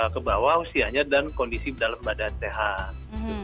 kebawah usianya dan kondisi dalam badan sehat